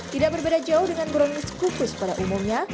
tidak berbeda jauh dengan brownies kukus pada umumnya